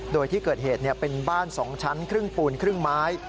โดยที่เกิดเหตุเป็นบ้าน๒ชั้นครึ่งปูนครึ่งไม้